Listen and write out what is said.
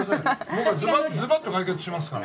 僕がズバッと解決しますから。